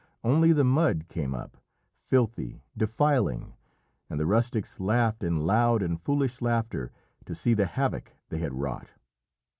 Only the mud came up, filthy, defiling, and the rustics laughed in loud and foolish laughter to see the havoc they had wrought.